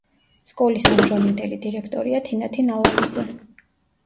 სკოლის ამჟამინდელი დირექტორია თინათინ ალავიძე.